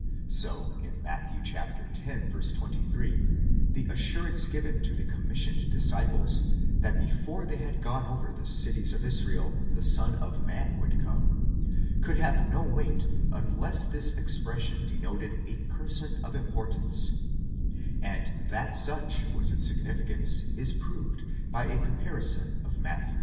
So in Matt. x. 23, the assurance given to the commis sioned disciples that before they had gone over the cities of Israel the Son of Man would come, could have no weight unless this expression denoted a person of importance ; and that such was its significance is proved by a com parison of Matt.